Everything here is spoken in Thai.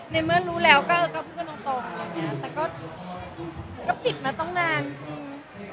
ในเมื่อรู้แล้วก็พูดตรงแต่ก็ปิดมาต้องนานจริง